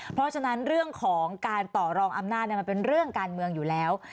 เพราะฉะนั้นเรื่องของการต่อรองอำนาจมันเป็นเรื่องการเมืองอยู่แล้ว